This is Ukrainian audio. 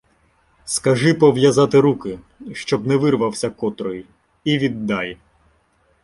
— Скажи пов'язати руки, щоб не вирвався котрий, і віддай.